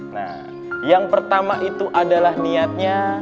nah yang pertama itu adalah niatnya